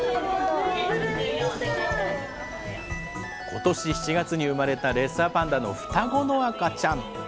ことし７月に生まれたレッサーパンダの双子の赤ちゃん。